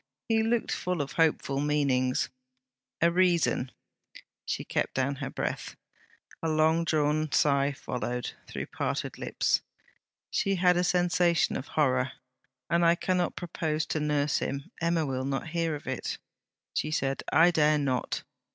He looked full of hopeful meanings. 'A reason...!' She kept down her breath. A longdrawn sigh followed, through parted lips. She had a sensation of horror. 'And I cannot propose to nurse him Emma will not hear of it,' she said. 'I dare not.